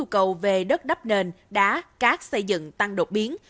nhu cầu về đất đắp nền đá cát xây dựng tăng đột biến